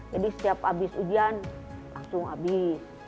jadi setiap habis ujian langsung habis